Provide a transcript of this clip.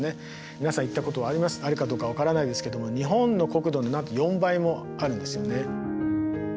皆さん行ったことがあるかどうか分からないですけども日本の国土のなんと４倍もあるんですよね。